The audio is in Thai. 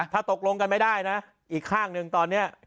ถ้าตกลงกันไม่ได้นะอีกข้างหนึ่งตอนนี้